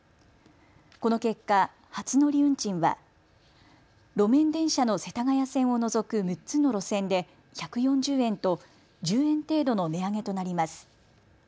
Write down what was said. この結果、初乗り運賃は路面電車の世田谷線を除く６つの路線で１４０円と１０円程度の値上げとなります。